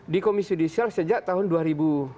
di komisi judisial sejak tahun dua ribu